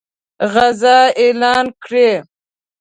غزا اعلان کړي.